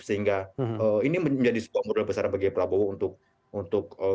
sehingga ini menjadi sebuah model besar bagi prabowo untuk mempertahankan suara elektabilitas dari kelompok lain